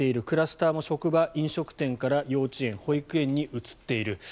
クラスターも職場、飲食店から幼稚園、保育園に移っている。